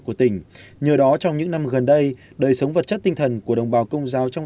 của tỉnh nhờ đó trong những năm gần đây đời sống vật chất tinh thần của đồng bào công giáo trong